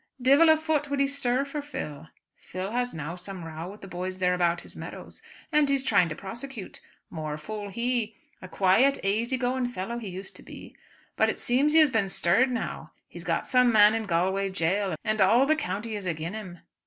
Divil a foot would he stir for Phil. Phil has had some row with the boys there about his meadows, and he's trying to prosecute. More fool he. A quiet, aisy going fellow he used to be. But it seems he has been stirred now. He has got some man in Galway jail, and all the country is agin him.